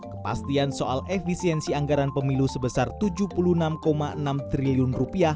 kepastian soal efisiensi anggaran pemilu sebesar rp tujuh puluh enam enam triliun